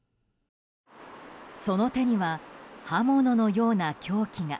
その手には刃物のような凶器が。